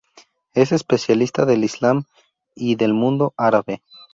Es especialista del islam y del mundo árabe.